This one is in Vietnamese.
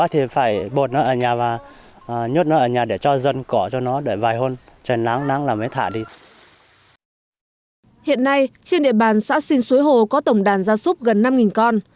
hiện nay trên địa bàn xã xin suối hồ có tổng đàn gia súc gần năm con